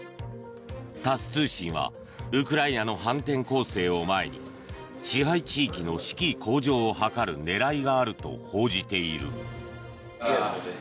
タス通信はウクライナの反転攻勢を前に支配地域の士気向上を図る狙いがあると報じている。